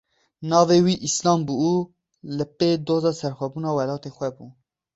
Navê wî Îslam bû û li pê doza serxwebûna welatê xwe bû.